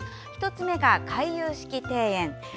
１つ目が回遊式庭園。